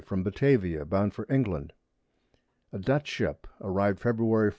from Batavia, bound for England. A Dutch Ship, arrived Feb. 4.